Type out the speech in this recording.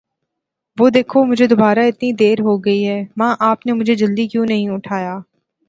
وه دیکھو. مجهے دوباره اتنی دیر ہو گئی ہے! ماں، آپ نے مجھے جلدی کیوں نہیں اٹھایا!